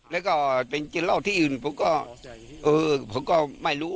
แล้วก็เป็นเจราะที่อื่นผมก็ไม่รู้